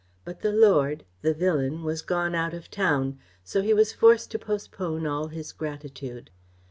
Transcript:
But the lord the villain was gone out of town, so that he was forced to postpone all his gratitude.